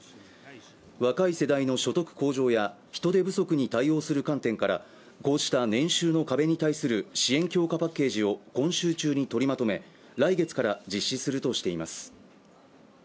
若い世代の所得向上や人手不足に対応する観点からこうした年収の壁に対する支援強化パッケージを今週中に取りまとめ、来月から実施するとしています。